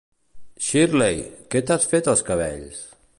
Shirley, que t'has fet als cabells?